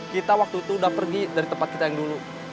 kita waktu itu udah pergi dari tempat kita yang dulu